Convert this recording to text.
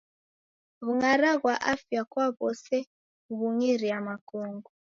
W'ungara ghwa afya kwa w'ose kughiria makongo.